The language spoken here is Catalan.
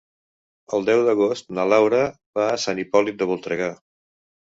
El deu d'agost na Laura va a Sant Hipòlit de Voltregà.